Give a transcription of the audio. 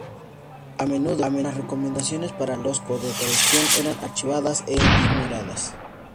A menudo, las recomendaciones para las condecoraciones eran archivadas e ignoradas.